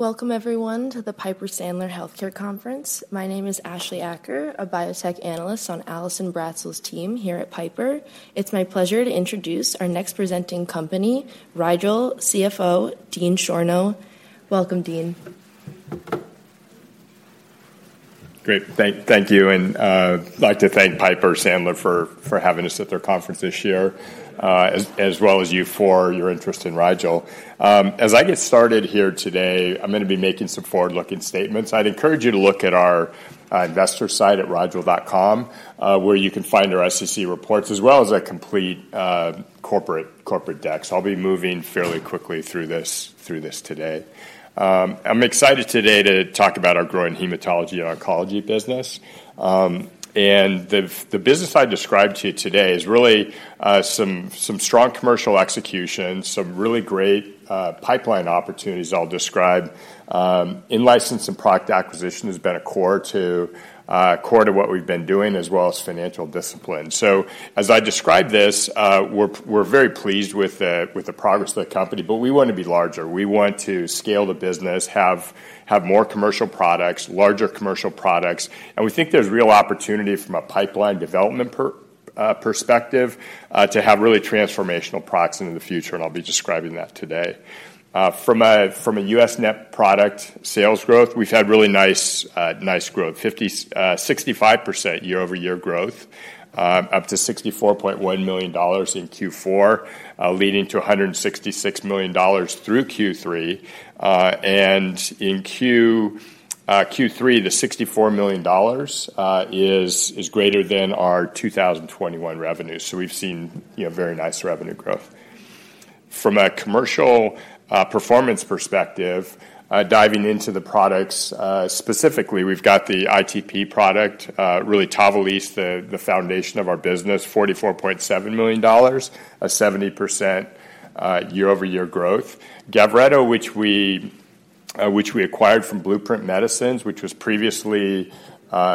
Welcome, everyone, to the Piper Sandler Healthcare Conference. My name is Ashleigh Acker, a Biotech Analyst on Allison Bratzel's team here at Piper. It's my pleasure to introduce our next presenting company, Rigel, CFO, Dean Schorno. Welcome, Dean. Great. Thank you. And I'd like to thank Piper Sandler for having us at their conference this year, as well as you for your interest in Rigel. As I get started here today, I'm going to be making some forward-looking statements. I'd encourage you to look at our investor site at rigel.com, where you can find our SEC reports, as well as a complete corporate deck. So I'll be moving fairly quickly through this today. I'm excited today to talk about our growing hematology and oncology business. And the business I described to you today is really some strong commercial execution, some really great pipeline opportunities I'll describe. In-license and product acquisition has been a core to what we've been doing, as well as financial discipline. So as I describe this, we're very pleased with the progress of the company, but we want to be larger. We want to scale the business, have more commercial products, larger commercial products. And we think there's real opportunity from a pipeline development perspective to have really transformational products in the future. And I'll be describing that today. From a US net product sales growth, we've had really nice growth, 65% year-over-year growth, up to $64.1 million in Q4, leading to $166 million through Q3. And in Q3, the $64 million is greater than our 2021 revenue. So we've seen very nice revenue growth. From a commercial performance perspective, diving into the products specifically, we've got the ITP product, really TAVALISSE, the foundation of our business, $44.7 million, a 70% year-over-year growth. GAVRETO, which we acquired from Blueprint Medicines, which was previously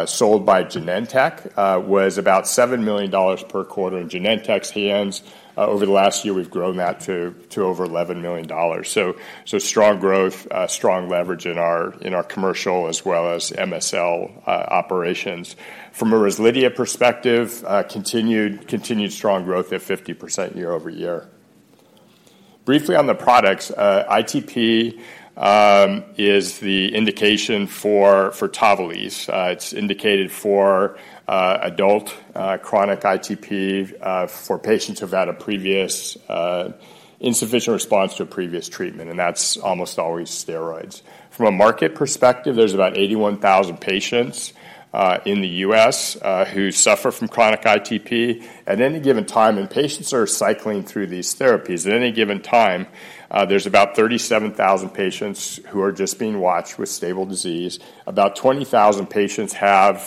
sold by Genentech, was about $7 million per quarter in Genentech's hands. Over the last year, we've grown that to over $11 million. Strong growth, strong leverage in our commercial as well as MSL operations. From a REZLIDHIA perspective, continued strong growth at 50% year-over-year. Briefly on the products, ITP is the indication for TAVALISSE. It's indicated for adult chronic ITP, for patients who've had an insufficient response to a previous treatment, and that's almost always steroids. From a market perspective, there's about 81,000 patients in the U.S. who suffer from chronic ITP. At any given time, and patients are cycling through these therapies, at any given time, there's about 37,000 patients who are just being watched with stable disease. About 20,000 patients are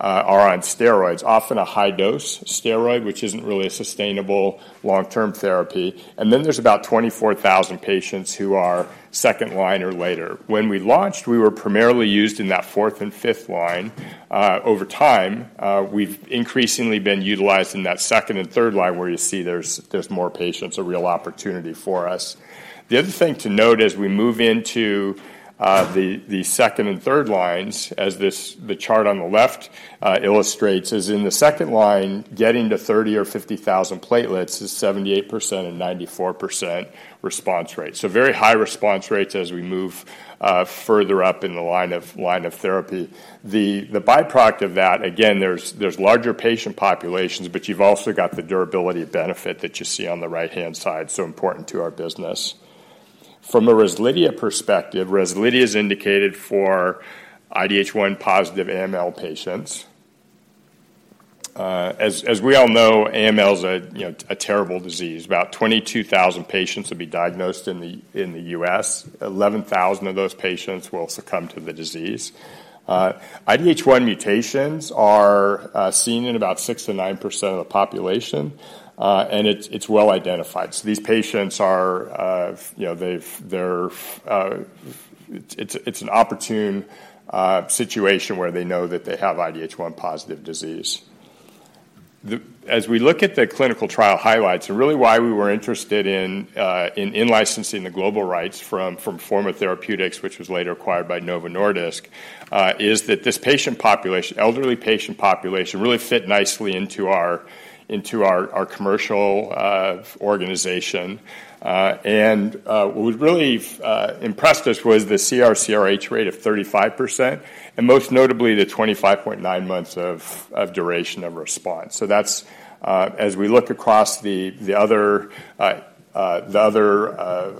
on steroids, often a high-dose steroid, which isn't really a sustainable long-term therapy. Then there's about 24,000 patients who are second line or later. When we launched, we were primarily used in that fourth and fifth line. Over time, we've increasingly been utilized in that second and third line, where you see there's more patients, a real opportunity for us. The other thing to note as we move into the second and third lines, as the chart on the left illustrates, is in the second line, getting to 30,000 or 50,000 platelets is 78% and 94% response rate. So very high response rates as we move further up in the line of therapy. The byproduct of that, again, there's larger patient populations, but you've also got the durability benefit that you see on the right-hand side, so important to our business. From a REZLIDHIA perspective, REZLIDHIA is indicated for IDH1 positive AML patients. As we all know, AML is a terrible disease. About 22,000 patients will be diagnosed in the U.S. 11,000 of those patients will succumb to the disease. IDH1 mutations are seen in about 6%-9% of the population, and it's well identified. So these patients, it's an opportune situation where they know that they have IDH1 positive disease. As we look at the clinical trial highlights, and really why we were interested in in-licensing the global rights from Forma Therapeutics, which was later acquired by Novo Nordisk, is that this elderly patient population really fit nicely into our commercial organization. And what really impressed us was the CR/CRH rate of 35%, and most notably the 25.9 months of duration of response. So as we look across the other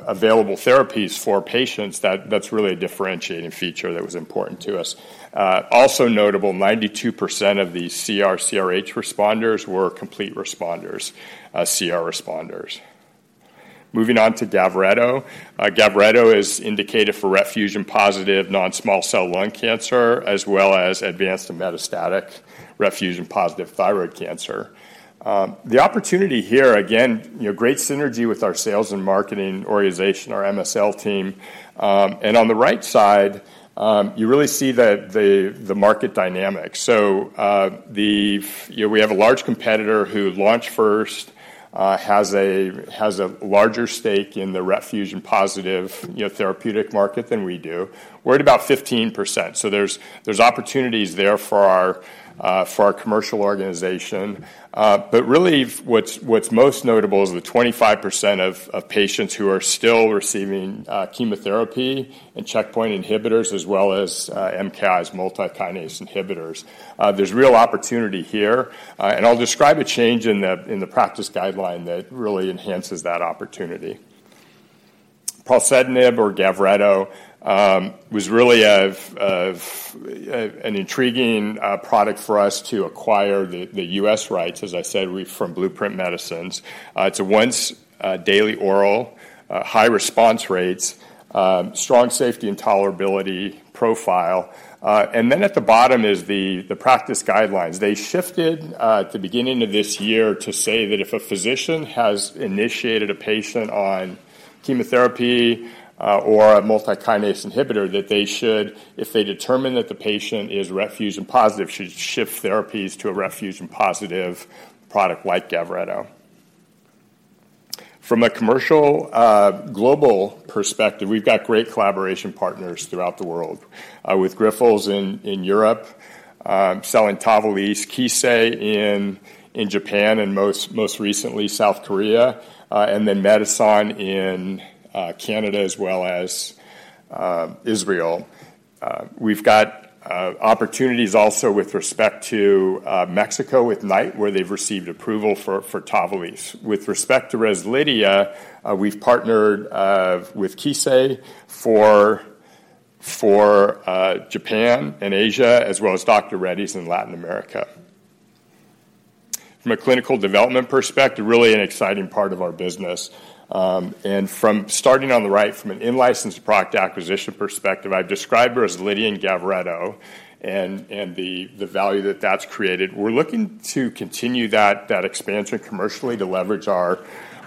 available therapies for patients, that's really a differentiating feature that was important to us. Also notable, 92% of the CR/CRH responders were complete CR responders. Moving on to GAVRETO. GAVRETO is indicated for RET fusion-positive non-small cell lung cancer, as well as advanced and metastatic RET fusion-positive thyroid cancer. The opportunity here, again, great synergy with our sales and marketing organization, our MSL team. And on the right side, you really see the market dynamics. So we have a large competitor who launched first, has a larger stake in the RET fusion-positive therapeutic market than we do. We're at about 15%. So there's opportunities there for our commercial organization. But really, what's most notable is the 25% of patients who are still receiving chemotherapy and checkpoint inhibitors, as well as MKIs, multi-kinase inhibitors. There's real opportunity here. And I'll describe a change in the practice guideline that really enhances that opportunity. Pralsetinib, or GAVRETO, was really an intriguing product for us to acquire the U.S. rights, as I said, from Blueprint Medicines. It's a once-daily oral, high response rates, strong safety and tolerability profile, and then at the bottom is the practice guidelines. They shifted at the beginning of this year to say that if a physician has initiated a patient on chemotherapy or a multikinase inhibitor, that they should, if they determine that the patient is RET fusion positive, should shift therapies to a RET fusion positive product like GAVRETO. From a commercial global perspective, we've got great collaboration partners throughout the world, with Grifols in Europe, selling TAVALISSE, Kissei in Japan, and most recently, South Korea, and then Medison in Canada, as well as Israel. We've got opportunities also with respect to Mexico with Knight, where they've received approval for TAVALISSE. With respect to REZLIDHIA, we've partnered with Kissei for Japan and Asia, as well as Dr. Reddy's in Latin America. From a clinical development perspective, really an exciting part of our business. And starting on the right, from an in-license product acquisition perspective, I've described REZLIDHIA and GAVRETO and the value that that's created. We're looking to continue that expansion commercially to leverage our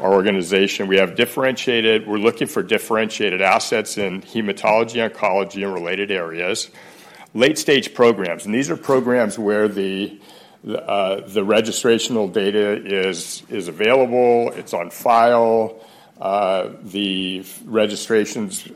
organization. We're looking for differentiated assets in hematology, oncology, and related areas. Late-stage programs, and these are programs where the registrational data is available, it's on file, the registration's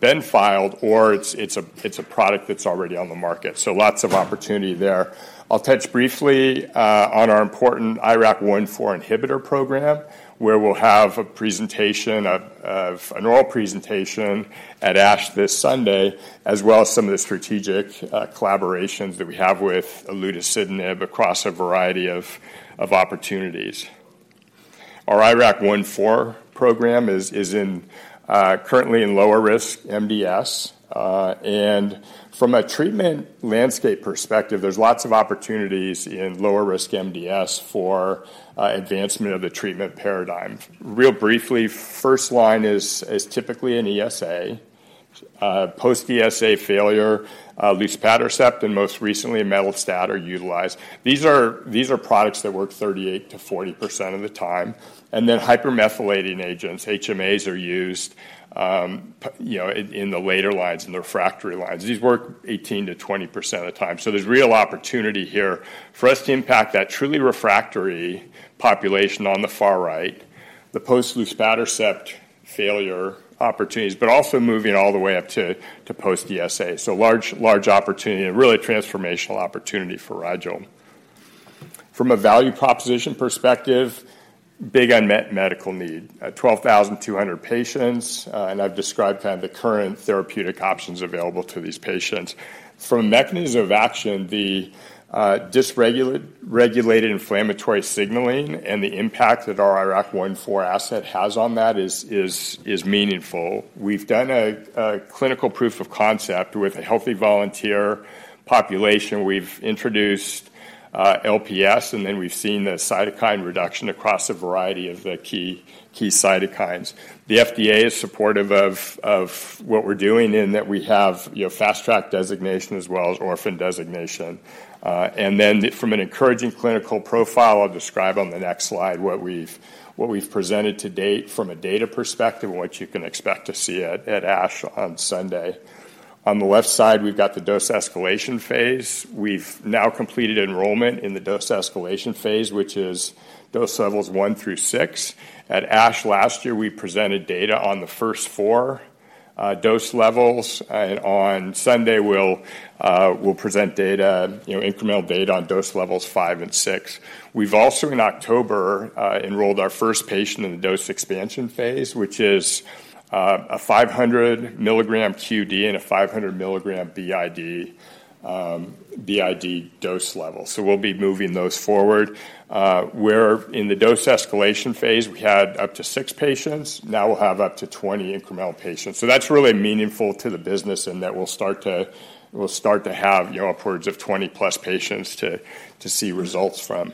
been filed, or it's a product that's already on the market. So lots of opportunity there. I'll touch briefly on our important IRAK1/4 inhibitor program, where we'll have a presentation, an oral presentation at ASH this Sunday, as well as some of the strategic collaborations that we have with olutasidenib across a variety of opportunities. Our IRAK1/4 program is currently in lower risk MDS. From a treatment landscape perspective, there's lots of opportunities in lower risk MDS for advancement of the treatment paradigm. Really briefly, first line is typically an ESA. Post-ESA failure, luspatercept, and most recently, imetelstat are utilized. These are products that work 38%-40% of the time. And then hypomethylating agents, HMAs, are used in the later lines, in the refractory lines. These work 18%-20% of the time. So there's real opportunity here for us to impact that truly refractory population on the far right, the post-luspatercept failure opportunities, but also moving all the way up to post-ESA. So large opportunity and really transformational opportunity for Rigel. From a value proposition perspective, big unmet medical need, 12,200 patients, and I've described kind of the current therapeutic options available to these patients. From a mechanism of action, the dysregulated inflammatory signaling and the impact that our IRAK1/4 asset has on that is meaningful. We've done a clinical proof of concept with a healthy volunteer population. We've introduced LPS, and then we've seen the cytokine reduction across a variety of the key cytokines. The FDA is supportive of what we're doing in that we have fast-track designation as well as orphan designation. And then from an encouraging clinical profile, I'll describe on the next slide what we've presented to date from a data perspective and what you can expect to see at ASH on Sunday. On the left side, we've got the dose escalation phase. We've now completed enrollment in the dose escalation phase, which is dose levels one through six. At ASH last year, we presented data on the first four dose levels. On Sunday, we'll present incremental data on dose levels five and six. We've also, in October, enrolled our first patient in the dose expansion phase, which is a 500 mg QD and a 500 mg BID dose level. We'll be moving those forward. We're in the dose escalation phase. We had up to six patients. Now we'll have up to 20 incremental patients. That's really meaningful to the business in that we'll start to have upwards of 20-plus patients to see results from.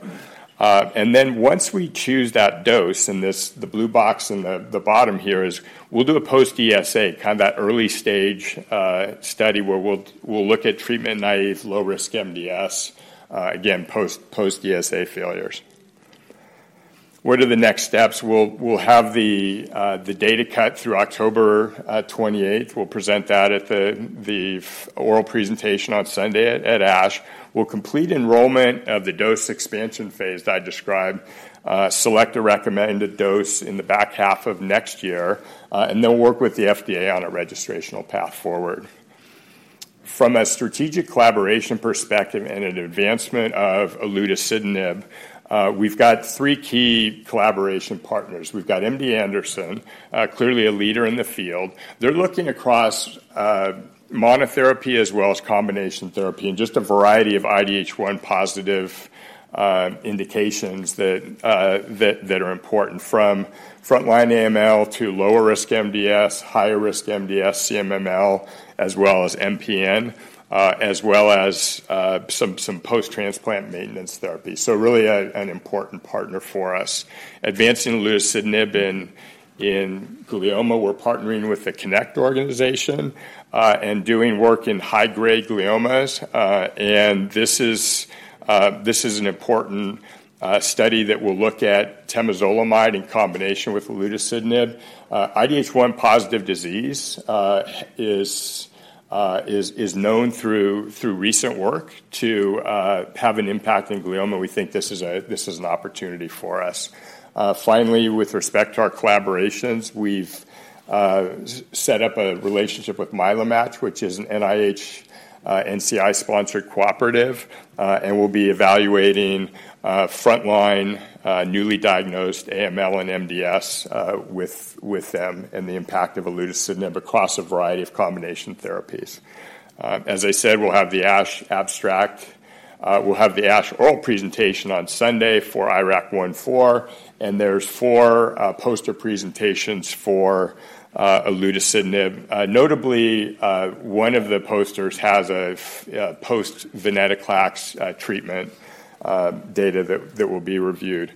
Once we choose that dose, and the blue box in the bottom here is we'll do a post-ESA, kind of that early-stage study where we'll look at treatment-naive low-risk MDS, again, post-ESA failures. What are the next steps? We'll have the data cut through October 28th. We'll present that at the oral presentation on Sunday at ASH. We'll complete enrollment of the dose expansion phase that I described, select a recommended dose in the back half of next year, and then work with the FDA on a registrational path forward. From a strategic collaboration perspective and an advancement of olutasidenib, we've got three key collaboration partners. We've got MD Anderson, clearly a leader in the field. They're looking across monotherapy as well as combination therapy and just a variety of IDH1 positive indications that are important from frontline AML to lower risk MDS, higher risk MDS, CMML, as well as MPN, as well as some post-transplant maintenance therapy. So really an important partner for us. Advancing olutasidenib in glioma, we're partnering with the CONNECT organization and doing work in high-grade gliomas. And this is an important study that will look at temozolomide in combination with olutasidenib. IDH1 positive disease is known through recent work to have an impact in glioma. We think this is an opportunity for us. Finally, with respect to our collaborations, we've set up a relationship with MyeloMATCH, which is an NIH NCI-sponsored cooperative, and we'll be evaluating frontline newly diagnosed AML and MDS with them and the impact of olutasidenib across a variety of combination therapies. As I said, we'll have the ASH oral presentation on Sunday for IRAK1/4, and there's four poster presentations for olutasidenib. Notably, one of the posters has a post-venetoclax treatment data that will be reviewed.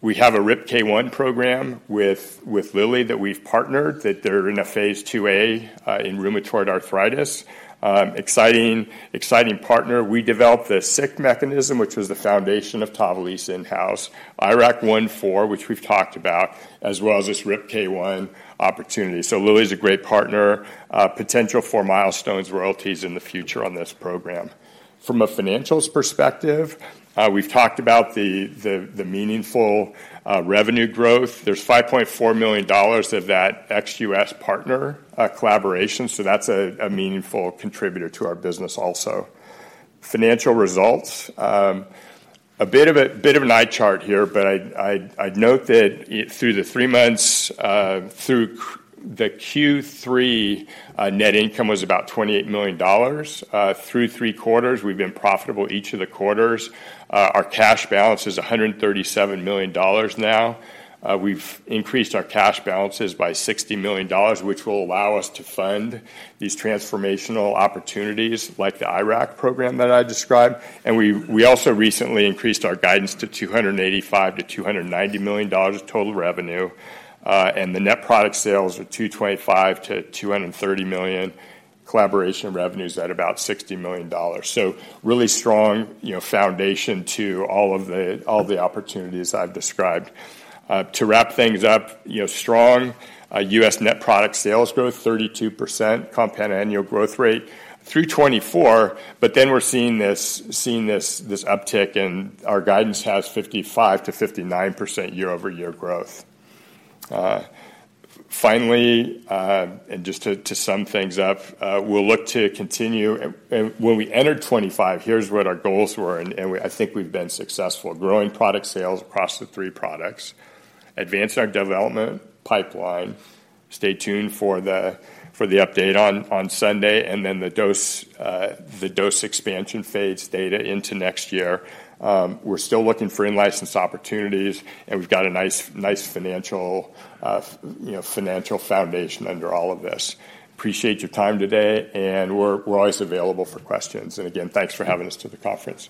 We have a RIPK1 program with Lilly that we've partnered that they're in a phase 2A in rheumatoid arthritis. Exciting partner. We developed the SYK mechanism, which was the foundation of TAVALISSE in-house, IRAK1/4, which we've talked about, as well as this RIPK1 opportunity. Lilly's a great partner, potential for milestones, royalties in the future on this program. From a financials perspective, we've talked about the meaningful revenue growth. There's $5.4 million of that ex-U.S. partner collaboration. That's a meaningful contributor to our business also. Financial results, a bit of an eye chart here, but I'd note that through the three months, through the Q3, net income was about $28 million. Through three quarters, we've been profitable each of the quarters. Our cash balance is $137 million now. We've increased our cash balances by $60 million, which will allow us to fund these transformational opportunities like the IRAK program that I described. We also recently increased our guidance to $285 million-$290 million total revenue. The net product sales are $225 million-$230 million. Collaboration revenues at about $60 million. Really strong foundation to all of the opportunities I've described. To wrap things up, strong U.S. net product sales growth, 32% compound annual growth rate through 2024, but then we're seeing this uptick, and our guidance has 55%-59% year-over-year growth. Finally, and just to sum things up, we'll look to continue. When we entered 2025, here's what our goals were, and I think we've been successful, growing product sales across the three products, advancing our development pipeline. Stay tuned for the update on Sunday and then the dose expansion phase data into next year. We're still looking for in-license opportunities, and we've got a nice financial foundation under all of this. Appreciate your time today, and we're always available for questions. And again, thanks for having us to the conference.